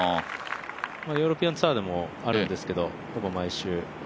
ヨーロピアンツアーでもあるんですけど、ほぼ毎週。